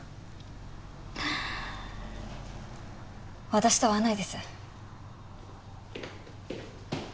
私とは合わないです。